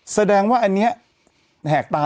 แสดงว่าอันนี้แหกตา